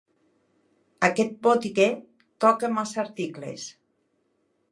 Aquest botiguer toca massa articles.